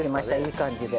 いい感じで。